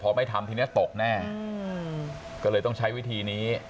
พอไม่ทำทีนี้ตกแน่ก็เลยต้องใช้วิธีนี้